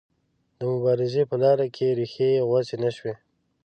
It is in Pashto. د مبارزې په لاره کې ریښې یې غوڅې نه شوې.